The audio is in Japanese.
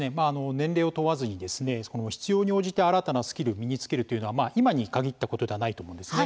年齢を問わずにですね必要に応じて新たなスキルを身につけるというのはまあ今に限ったことではないと思うんですね。